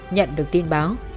nhận được tin báo